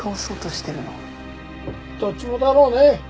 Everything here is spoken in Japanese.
どっちもだろうね。